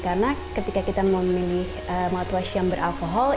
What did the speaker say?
karena ketika kita memilih mouthwash yang beralkohol